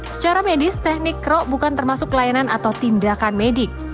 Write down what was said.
secara medis teknik kro bukan termasuk layanan atau tindakan medik